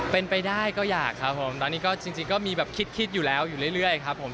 เป็นไปได้ก็อยากครับผมตอนนี้ก็จริงก็มีแบบคิดอยู่แล้วอยู่เรื่อยครับผม